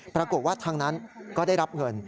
ปรากฏว่าทางนั้นก็ได้รับเงิน